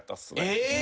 えっ！？